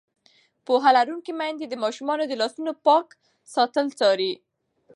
پوهه لرونکې میندې د ماشومانو د لاسونو پاک ساتل څاري.